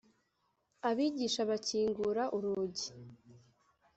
abigisha bakingura urugi,